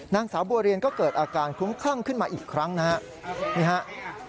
นางสาวบัวเรียนก็เกิดอาการคลุ้มคลั่งขึ้นมาอีกครั้งนะครับ